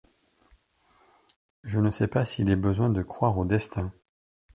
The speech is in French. Je ne sait pas s’il est besoin de croire au destin.